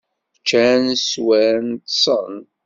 Ččan, sswan, ṭṭsen.